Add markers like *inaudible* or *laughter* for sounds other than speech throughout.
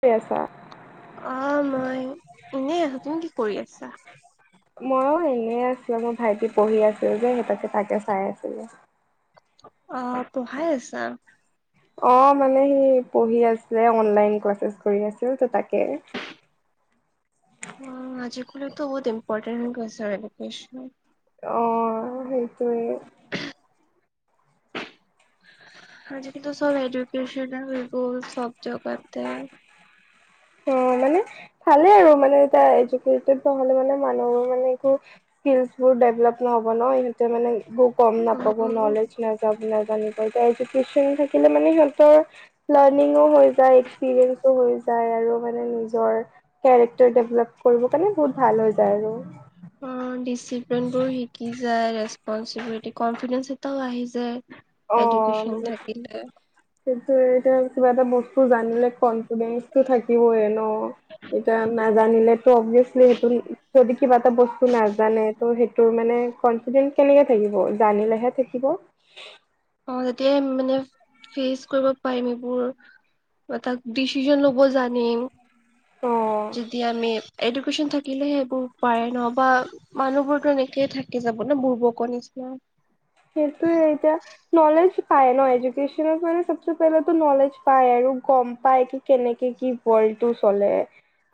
কি কৰি আছা? অ মই এনে। তুমি কি কৰি আছা? মইয়ো এনে আছো আমাৰ ভাইটি পঢ়ি আছে যে সহঁত তাকে চাই আছিলো। অ পঢ়াই আছা? অ মানে সি পঢ়ি আছিলে অনলাইন ক্লাছেছ কৰি আছিল ত' তাকে *inaudible* অ আজিকালিটো বহুত ইম্পৰ্টেট হৈ গৈছে আৰু এডুকেচন। অঁ সেইটোৱে। আজি কিন্ত চব এডুকেচনে হৈ গ'ল চব জেগাতে। অঁ মানে ভালেই আৰু মানে এতিয়া এডুকেটেড নহলে মানে মানুহৰ মানে একো স্কিলছ বোৰ ডেভেলপ নহ'ব ন, ইহঁতে মানে এইবোৰ কম নাপাব উম, নলেজ নাযাব নাজানিব। এতিয়া এডুকেচন থাকিলে মানে সিহঁতৰ লাৰ্নিংও হৈ যায়, এক্সপিৰিয়েঞ্চও হৈ যায় আৰু। মানে নিজৰ কেৰেক্টাৰ ডেভলপ কৰিব কাৰণে বহুত ভাল হৈ যায় আৰু। অ ডিচিপ্লিন বোৰ শিকি যায়, ৰেছপন্সিবিলিটি, কন্ফিডেন্স এটাও আহি যায়,। অ এডুকেচন মতলব থাকিলে। কিন্তু এতিয়া কিবা এটা বস্তু জানিলে কনফিডেন্ঞ্চটো থাকিবইে ন? এতিয়া নাজানিলে তো অভিয়াচলি সেইটো যদি কিবা এটা বস্তু নাজানে ত' সেই তোৰ মানে কনফিডেন্ট কেনেকে থাকিব জানিলেহে থাকিব। অ যেতিয়াই মানে ফেচ কৰিব পাৰিম এইবোৰ বা তাক ডিচিশন ল'ব জানিম অ যদি আমি এডুকেচন থা থাকিলেহ সেইবোৰ পাৰে ন বা মানুহবোৰতো এনেকয়ে থাকি যাব ন বোৰবকৰ নিচিনা। সেইটোয়ে এতিয়া নলেজ পায় ন এডুকেচনত মানে চবচে পেহেলে ত' নলেজ পায় আৰু গম পায় কি কেনেকে কি ৱৰ্ল্ডটোত চলে।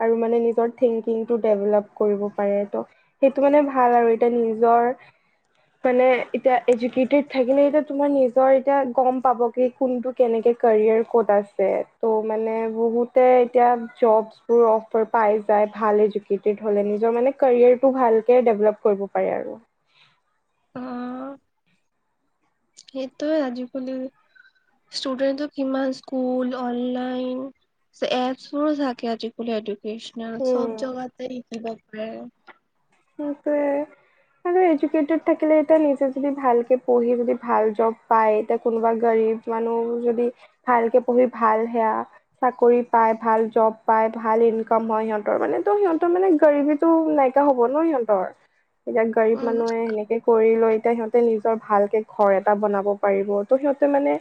আৰু মানে নিজৰ থিংকিং টো ডেভেলপ কৰিব পাৰে ত', সেইটো মানে ভাল আৰু এতিয়া নিজৰ মানে এতিয়া এডুকেটেড থাকিলে এতিয়া তোমাৰ নিজৰ এতিয়া গম পাব কি কোনটো কেনেকে কেৰিয়াৰ ক'ত পাইছে। ত' মানে, বহুতে এতিয়া জববোৰ অফাৰ পাই যায় ভাল এজুকে ইস্পিত হ'লে নিজৰ মানে কেৰিয়াৰটো ভালকে ডেভলপ্‌ কৰিব পাৰে আৰু। সেইটো আজি বুলি ষ্টুডেণ্টটো কিমান স্কুল, অনলাইন এপছবোৰ থাকে আজি-কালি এডু কৃষ্ণ চব উম। জেগাতে শিকিব পাৰে। তাকে। আৰে ইডুকেটেত থাকিলে, এতিয়া নিজে যদি ভালকে পঢ়ি-বুজি ভাল জব্‌ পায়। তাটে কোনোবা গা ইদ মানুহ যদি ভালকে পঢ়ি ভাল সেৱা, চাকৰি পায়, ভাল জব পায়। ভাল ইনকম হ'য় সিহঁতৰ। মানে, ত' সিহঁতৰ মানে গৰিবীটো নাই কিয়া হ'ব্‌ হ'ব ন' সিহঁতৰ। এতিয়াক গৰিব উম মানুহে সেনেকে কৰি লৈ পে টে সিহঁতে নিজৰ ভালকে ঘৰ এটা বনাব পাৰিব। ত' সিহঁতে মানে,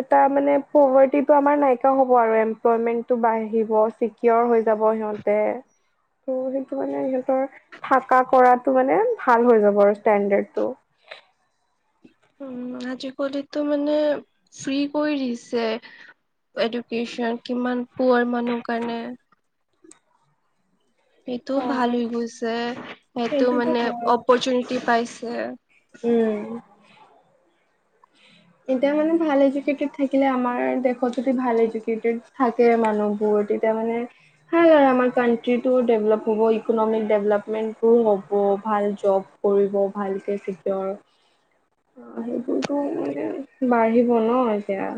এটা মানে প্ৰৰ্ভাত্‌ তিটো আমাৰ নাইকিয়া হ'ব আৰু এমপ্লয়মেণ্টটো বাঢ়িব, চিক্ৰীয়ৰ হৈ যাব সিহঁতে। টো সেইটো মানে সিহঁতৰ থাকা কৰাটো মানে, ভাল হৈ যাব আৰু। ষ্টেণ্ডৰ্ডাতটো উম, আজি-কালিটো মানে, ফ্ৰী কৰি দিছে। এডুকেশ্যন কিমান পোৱাৰ মানুহ কাৰণে? সেইটোও ভাল অ', হৈ গৈছে। সেইটো সেইটোতো মানে, হয়। অপৰচুনিটি পাইছে। উম। এতিয়া মানে ভাল এডুকেটেড থাকিলে আমাৰ, দেশত যদি ভাল এডুকেটেড থাকে। মানুহবোৰ তেতিয়া মানে ভাল আৰু কাউণ্ট্ৰিটো ডেভলপ হ'ব, ইকনমিক ডেভলেপমেণ্টোও হ'ব, ভাল জব কৰিব। ভালকে চিক্ৰিয়ৰ অ সেইবোৰটো বাঢ়িব ন' এতিয়া?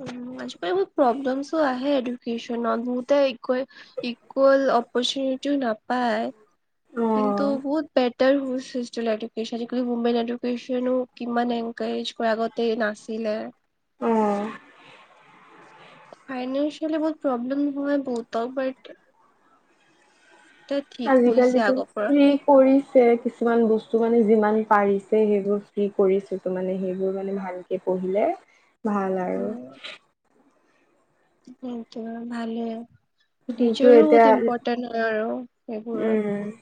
ওঁ, আজি কালিটো প্ৰব্লেমছো আহে এডুকেশ্যনত বহুতে ইকুৱে- ইকুৱেল অপৰচুনিটি টো নাপায়। কিন্তু অ'। বহুত বেট্‌ ঢেৰ হোষ্ট হোষ্টেলে, এডুকেশ্যন গ্ৰূপ, মোমবাই এডুকেশ্যনেও কিমান এনকাৰেজ কৰে। আগতে নাছিল। *unintelligible* লে অ'। ফাইনেন্সিয়ালি বহুত প্ৰব্লেম হ'য় বহুত বাট এতিয়া ঠিক হৈছে আজি-কালিটো আগৰ পৰা। ফ্ৰী কৰি ছে, কিছুমান বস্তু মানে যিমান পাৰিছে সেইবোৰ ফ্ৰী কৰিছে। তো মানে সেইবোৰ মানে ভালকে পঢ়িলে ভাল আৰু। উম, সেইটোৱে ভালে কিন্তু টিচাৰও এতিয়া বহুত ইম্পৰ্টেণ্ট আৰু উম সেইবোৰত।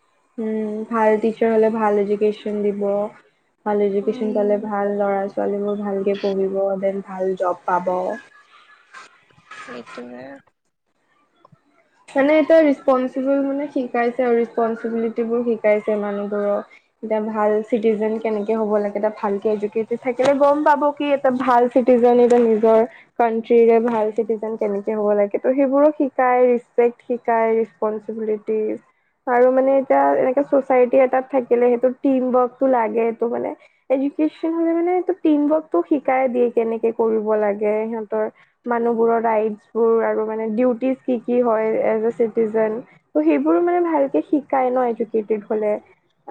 উম, ভাল টিচাৰ হ'লে ভাল এডুকেশ্যন দিব। ভাল এডুকেশ্যন পালে উম, ভাল। ল'ৰা-ছোৱালীবোৰ ভালকে পঢ়িব। যেন ভাল জব পাব। সেইটোৱে। হেনে এটা ৰেচপন্‌চিবল, মানে শিকাইছে আৰু ৰেচপন্‌চিবিলিটিবোৰ শিকাইছে মানুহবোৰক। এটা ভাল চিটিজেন কেনেকে হব লাগে? এটা ভালকে এডুকেটেট থাকিলে গম পাব কি এটা ভাল চি জন, নিজৰ নিজৰ কাউণ্ট্ৰিৰে ভাল চিটিজেন কেনেকে হ'ব লাগে ত' সেইবোৰো শিকাই। প্ৰেইদ শিকায়, ৰেছপণ্টচিবিলিটি আৰু মানে এতিয়া এনেকে চ'ছাইটি এটাত থাকিলে সেইটো টিমৱৰ্কটো লাগে। সেইটো মানে, সেই নেছন হ'লে মানেটো টিমৱৰ্কটো শিকাই দিয়ে কেনেকে কৰিব লাগে সিহঁতৰ মানুহবোৰ প্ৰডাইড বোৰ আৰু মানে, ডিউটিচ কি কি হ'য়, এজ এ চিটিজেন ত' সেইবোৰো মানে ভালকে শিকাই ন' এডুকেটেড হ'লে।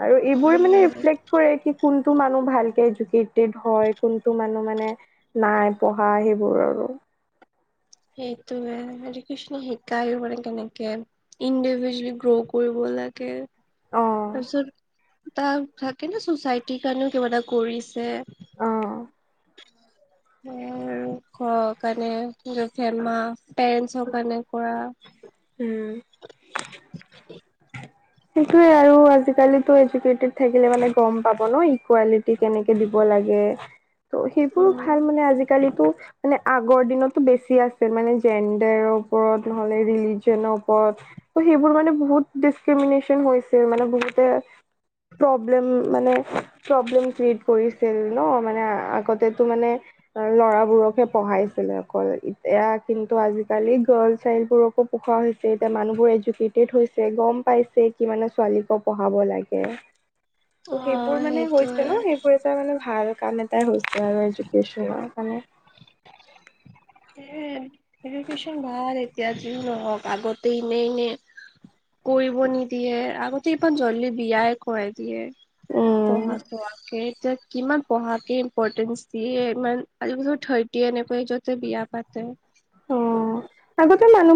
আৰু এইবোৰে মানে উম। ৰিফ্লেক্ট কৰে কি কোনটো মানুহ ভালকে এডুকেটেড হ'য়। কোনটো মানুহ মানে, নাই পঢ়া সেইবোৰ আৰু। *unintelligible* সেইটোৱে। এডুকেশ্যনে শিকাইও মানে, কেনেকে ইণ্ডিভিজুৱেল গ্ৰ' কৰিব লাগে। অ তাৰপিছত তাৰ থাকে ন চচাইটিৰ কাৰণেও কিবা এটা কৰিছে। অহ। সেয়াই আৰু ঘৰ কাৰণে *unintelligible* মা পেৰেন্টছৰ কাৰণে কৰা। উম। সেইটোয়ে আৰু আজি কালি এজুকেটেড থাকিলে মানে গম পাব ন ইকুৱালিটি কেনেকে দিব লাগে। লাগে ত সেইবোৰ উম, ভাল মানে আজিকালিতো মানে আগৰ দিনতটো বেছি আছিল মানে জেণ্ডাৰৰ ওপৰত নহ'লে ৰিলিজনৰ ওপৰত। ত সেইবোৰ মানে বহুত ডিচক্ৰিমিনেচন হৈছে মানে বহুতে। প্ৰব্লেম মানে প্ৰব্লেম ক্ৰিয়েট কৰিছিল ন মানে আগতেতো মানে। ল'ৰাবোৰকহে পঢ়াইছিলে অকল এতিয়া কিন্তু আজিকালি গাৰ্ল চাইলবোৰকো। পোখোৰা হৈছে এতিয়া মানুহবোৰ এডুকেটেড হৈছে গম। পাইছে কিমানে ছোৱালীকো পঢ়াব লাগে। ত অ' সেইবোৰ মানে হৈছে সেইটোৱে ন সেইবোৰ এটা মানে ভাল। কাৰণে তাৰ হৈছে আৰু এজোকেশ্যনৰ কাৰণে এ এডুকেশ্যন ভাল এতিয়া যি নহওক আগতেই মেই নে কৰিব নিদিয়ে আগতে ইমান জল্দি বিয়াই কৰাই দিয়ে। উম পঢ়া কোৱাকে এতিয়া। কিমান পঢ়াকে ইম্পৰ্টেঞ্চ দিয়ে ইমান আজি বছ থাৰ্টি এনেকুৱাতে বিয়া পাতে।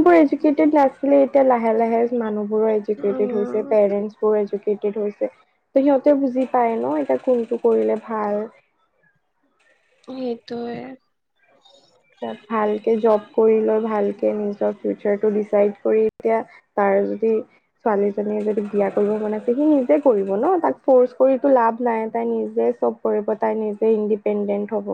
মোৰ এজুকেটেড নাছিলে এতিয়া লাহে লাহে মানুহবোৰো এজুকেটেড হৈছে উম পেৰেণ্ট বোৰ এজু কেটেত হৈছে সিহঁতেও বুজি পায় ন এতিয়া কোনটো কৰিলে ভাল। উ *unintelligible* সেইটোৱে ভালকে জব কৰি লৈ ভালকে নিজৰ ফিউচাৰটো ডিচাইড কৰি এতিয়া তাৰ আৰু যদি ছোৱালী এজনী যদি বিয়া কৰিব মন আছে সি নিজে কৰিব ন তাক ফজ কৰি লাভ নাই। তাই তাই নিজে চব কৰিব তাই নিজে ইণ্ডিপেণ্ডেণ্ট হ'ব।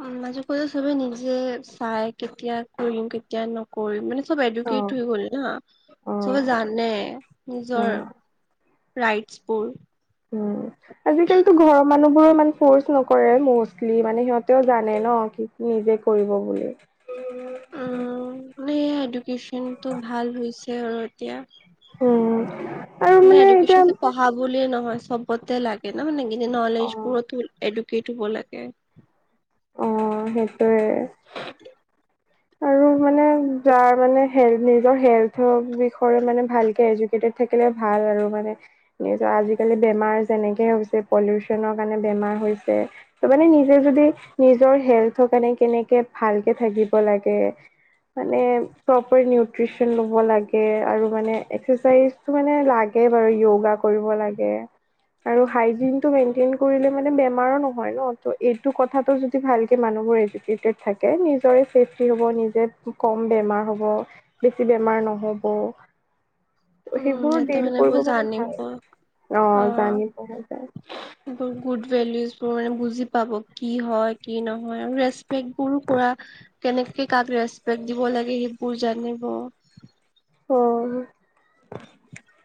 উ মাজে কৈয়ে চবে নিজে চাই কেতিয়া কৰিম কেতিয়া নকৰিম মানে চব অ'। এডুকেট হৈ গল না চবে অ', জানে নিজৰ অ'। ৰাইটছপুৰ। উম আজিকালিতো ঘৰৰ মানুহ বোৰো ইমান ফৰ্চ নকৰে মষ্টলি মানে সিহঁতেও জানে ন। নিজে কৰিব বুলি। উম মানে এডুকেশ্যন টো ভাল হৈছে আৰু এতিয়া। উম, আৰু মানে এতিয়া এডুকেশ্যন টো পঢ়া বুলিয়ে নহয় চবতে লাগে ন মানে। নলেজ অ', বোৰতো এডুকেট হব লাগে। অ সেইটোয়ে আৰু মানে। যাৰ মানে নিজৰ হেল্থ বিষয় মানে ভালকে এডুকেটেড থাকিলে ভাল আৰু। আৰু মানে নি আজিকালি বেমাৰ যেনেকে হৈছে পলিউচনৰ কাৰণে বেমাৰ হৈছে। মানে নিজে যদি নিজৰ হেল্থৰ কাৰণে কেনেকে ভালকে থাকিব লাগে। মানে পপাৰ নিউটেচন ল'ব লাগে আৰু মানে এক্স ছে ছাইচ তো মানে লাগে একাকেই বাৰু য়োগা কৰিব লাগে। আৰু হাইজিন টো মেনটেন কৰিলে মানে বেমাৰ নহয় ন এইটো কথাটো যদি ভালকে মান চবৰে এডুকেটেড থাকে নিজৰে চেফটি হ'ব নিজে কম বেমাৰ হ'ব বেছি বেমাৰ নহ'ব। ত উম সেইবোৰো সিহঁতে ডিল এইবোৰ কৰিব মানে ভাল। জানিব অ জানি পঢ়া যায়। ভেলুজবোৰ মানে বুজি পাব কি হয় কি নহয় আৰু ৰেস্কপেকবোৰো কৰা কেনেক- কে কাক ৰেস্কপেক দি ব লাগে সেই বোৰ জানিব। *inaudible* অ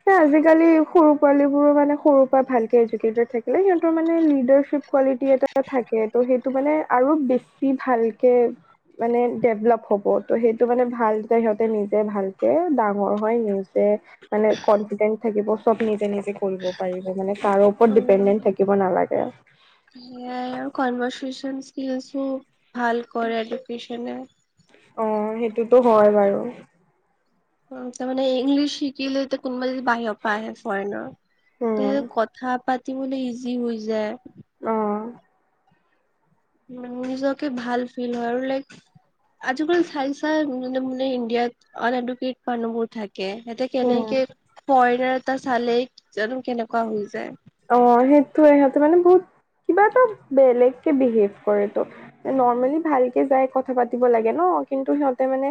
স সেকালি সৰু পোৱালীবোৰো মানে সৰুৰ পৰা ভালকে এডুকেটেড থাকিলে সিহঁতৰ মানে লিডাৰশ্বিপ কোৱালিটি এটা থাকে ত' সেইটো মানে আৰু বেছি ভালকে মানে ডেভলপ হ'ব ত' সেইটো মানে ভাল সিহঁতে নিজে ভাল ডাঙৰ হয় নিজে মানে কনফিডেন্ট থাকিব চব নিজে নিজে কৰিব পাৰিব মানে কাৰো ওপৰত উম ডিপেণ্ডেণ্ট থাকিব নালাগে। সেয়াই আৰু *unintelligible* ভাল কৰে এডুকচনে অ সেইটোতো হয় বাৰু আ তামানে ইংলিছ শিকিল তো কোমল বাহিৰৰ পৰা আহে ফৰেনৰ উম, তে কথা পাতিবলৈ ইজি হৈ যায়। আহ উ নিজকে ভাল ফিল হয় আৰু লাইক আজিকাল চাই চাইনে মো ইণ্ডিয়াত আ এডুকেট মানুহ বোৰ থাকে সিহঁতে উম। কেনেকে ফৰেনাৰ এটা চালে জানো কেনেকুৱা হৈ যায়। অ সেইটো ইহঁতে মানে বহুত কিবা এটা বেলেগ কে বিহেভ কৰে তো নৰ্মেলি ভালকে যাই কথা পাতিব লাগে ন। কিন্তু সিহঁতে মানে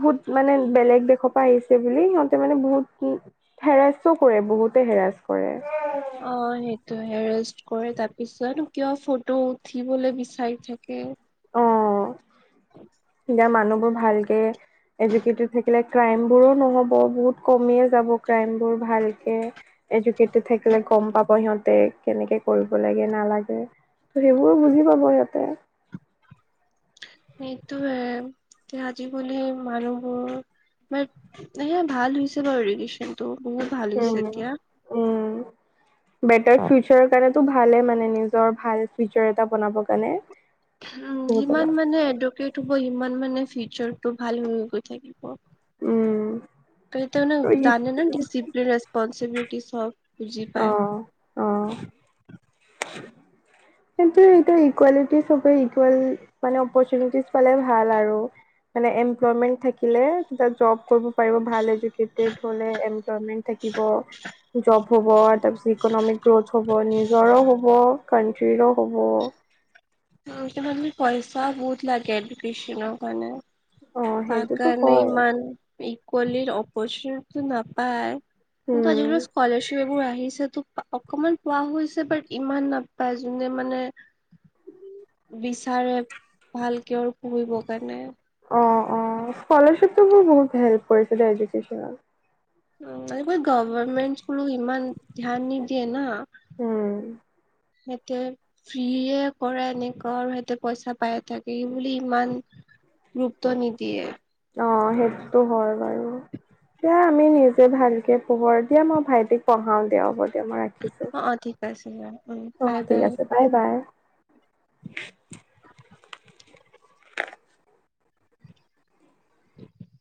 বহুত মানে বেলেগ দেশৰ পৰা আহিছে বুলি সিহঁতে মানে বহুত কি হেৰাচো কৰে বহুতে হেৰাচ কৰে। অ সেইটো হেৰেষ্ট কৰে তাৰ পিছত কিয় ফটো উঠিবলে বিচাৰি থাকে। যা মানুহবোৰ ভালকে এডুকেটেড থাকিলে ক্ৰাইম বোৰো নহ'ব বহুত কমিয়ে যাব ক্ৰাইম বোৰ ভালকে এডু- কেইটেত থাকিলে গম পাব সিহঁত তে কেনেকে কৰিব লাগে নালাগে ত সেইবোৰো বুজি পাব সিহঁতে। এইটোহে আজি বুলি মানুহবোৰ বাট এ ভাল হৈছে বাৰু ইৰিগেশ্যনটো উম উম বেটাৰ ফিউচাৰ কাৰণটো ভালে মা- উ যিমান মানে এডুকেট হব সিমান মানে ফিউচাৰটো ভাল হৈ গৈ থাকিব। উম তই তানো জানে না ডিচিপ্লিন ৰিছপনবিলিটি চব বুজি অ পায়। অ *inaudible* কিন্তু এইটো ইকুৱেলিটি সবে ইকুৱেল মানে অপৰচুনিটিছ পালে ভাল আৰু মানে এমপ্লয়মেন্ থাকিলে দে জব কৰিব পাৰিব ভাল। এডুকেটেট হ'লে এমল্পমেন্ট থাকিব জব হব তাৰপিছত ইকনমিক গ্ৰোথ হ'ব নিজৰো হ'ব কানট্ৰীৰো হ'ব। পইচা বহুত লাগে এডুকেশ্যনৰ কাৰণে অ পাকা সেইটোতো নে হয় ইমান ইকুৱেলিৰ অপৰচটটো নাপায় কিন্তু উম আজিকালি স্কালাৰশিপ এইবোৰ আহে আহিছে তো অকমান পোৱা হৈছে বাট ইমান নাপায় যোনে মানে বিচাৰে ভালকে আৰু পুহিবৰ কাৰণে স্কলাৰশিপটো মোৰ বহুত হেল্প কৰিছিল এডুকেশ্বনত। গভমেন্ট স্কুলো ইমান ধ্যান নিদিয়ে না। উম। সিহঁতে ফ্ৰীয়ে কৰে এনেকুৱা আৰু সেহতে পইচা পায়ে থাক এই বুলি ইমান গুৰুত্ব নিদিয়ে। অঁ সেইটোতো হয় বাৰু। দিয়া আমি নিজে ভালকে খবৰ দিয়া মই ভাইটিক পঢ়াও গে অলপ। মই ৰাখিছো, অ অ ঠিক আছে দিয়া উম অ বাই ঠিক আছে বাই বাই। *inaudible* *inaudible*